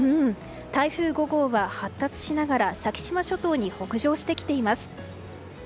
台風５号が発達しながら先島諸島に北上してきています。